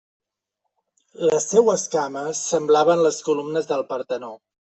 Les seues cames semblaven les columnes del Partenó.